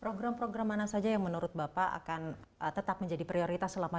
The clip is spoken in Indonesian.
program program mana saja yang menurut bapak akan tetap menjadi prioritas selama